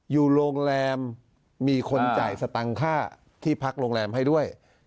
อยู่โรงแรมมีคนจ่ายสตังค์ค่าที่พักโรงแรมให้ด้วย